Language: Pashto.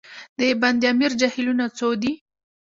د بند امیر جهیلونه څو دي؟